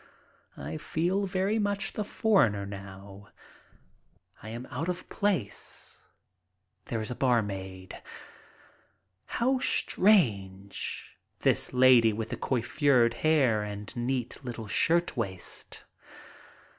I feel very much the foreigner now; do not know what to order. I am out of place. There's a barmaid. How strange, this lady with the coiffured hair and neat little shirtwaist!